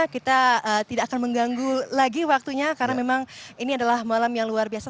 kita tidak akan mengganggu lagi waktunya karena memang ini adalah malam yang luar biasa